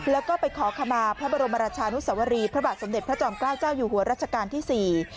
แล้วก็ไปขอขมาพระบรมราชานุสวรีพระบาทสมเด็จพระจอมเกล้าเจ้าอยู่หัวรัชกาลที่สี่